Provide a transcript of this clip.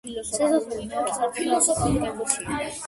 შესასვლელი მეორე სართულზე აღმოსავლეთ კედელშია.